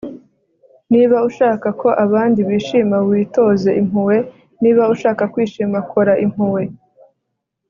niba ushaka ko abandi bishima, witoze impuhwe. niba ushaka kwishima, kora impuhwe